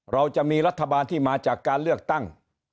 เราจะมีรัฐบาลที่มาจากการเลือกตั้ง